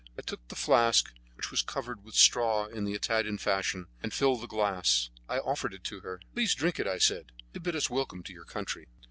I took the flask, which was covered with straw in the Italian fashion, and filling the glass, I offered it to her. "Please drink it," I said, "to bid us welcome to your country."